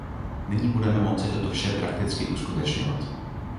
Nyní budeme moci toto vše prakticky uskutečňovat.